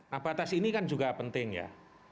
nah batas ini kan juga penting ya